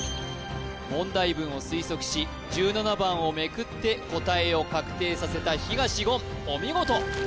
問題文を推測し１７番をめくって答えを確定させた東言お見事！